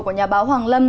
của nhà báo hoàng lâm